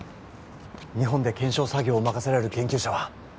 日本で検証作業を任せられる研究者は